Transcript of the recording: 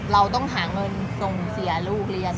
เราต้องหาเงินส่งเสียลูกเรียน